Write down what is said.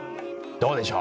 どうでしょう？